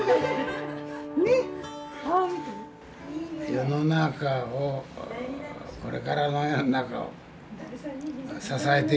世の中をこれからの世の中を支えていくっていうんだね。